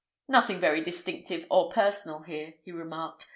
"Nothing very distinctive or personal here," he remarked.